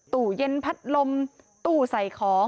ตู้เย็นพัดลมตู้ใส่ของ